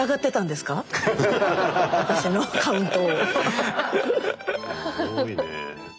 私のカウントを。